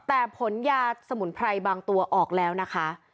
แต่ผลยาสมุนไพรบางตัวออกแล้วนะคะ